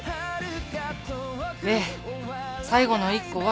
で最後の１個は。